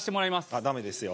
あっ駄目ですよ。